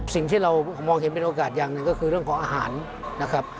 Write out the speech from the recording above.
สิ่งที่เรามองเห็นเป็นโอกาสอย่างหนึ่งก็คือเรื่องของอาหารนะครับ